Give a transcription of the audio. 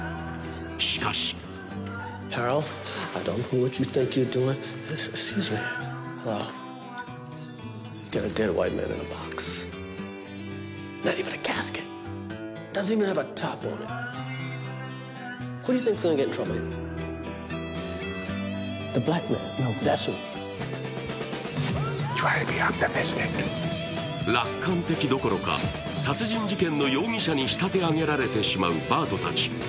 しかし楽観的どころか、殺人事件の容疑者に仕立て上げられてしまうパートたち。